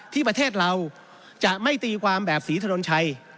ที่ประเทศเราจะไม่ตีความแบบศรีถนนชัย